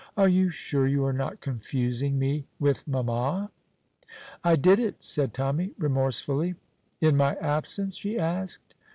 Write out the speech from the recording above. Are you sure you are not confusing me with mamma?" "I did it," said Tommy, remorsefully. "In my absence?" she asked.